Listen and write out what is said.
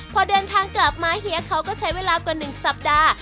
พอเดินทางกลับมาเฮียเขาก็ใช้เวลากว่า๑สัปดาห์